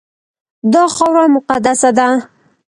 دا خاوره مقدسه ده.